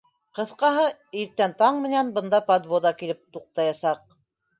Кыҫҡаһы, иртән таң менән бында подвода килеп туҡтаясаҡ.